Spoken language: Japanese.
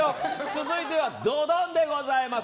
続いてはドドんでございます。